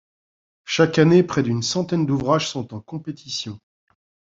Chaque année, près d'une centaine d'ouvrages sont en compétition.